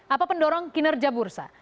apa pendorong kinerja bursa